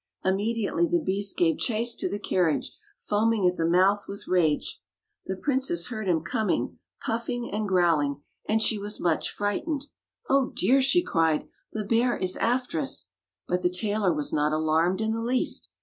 Immediately the beast gave chase to the carriage, foaming at the mouth with rage. The princess heard him coming, puffing and growling, and she was 184 Fairy Tale Bears much frightened. ''Oh dear!" she cried, "the bear is after us!" But the tailor was not alarmed in the least.